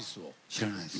知らないです。